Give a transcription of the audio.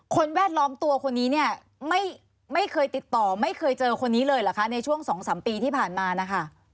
แวดล้อมตัวคนนี้เนี่ยไม่เคยติดต่อไม่เคยเจอคนนี้เลยเหรอคะในช่วง๒๓ปีที่ผ่านมานะคะ